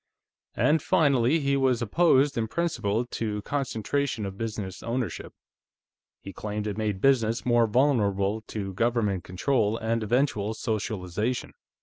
And finally, he was opposed in principle to concentration of business ownership. He claimed it made business more vulnerable to government control and eventual socialization."